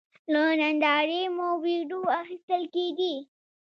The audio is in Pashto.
له نندارې مو وېډیو اخیستل کېدې.